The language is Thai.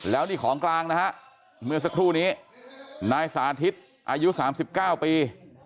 แล้วนี่ของกลางนะฮะเมื่อสักครู่นี้นายสาธิตอายุ๓๙ปี